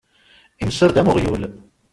Inser-d am uɣyul.